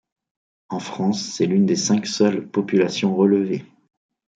En France, c'est l'une des cinq seules populations relevées.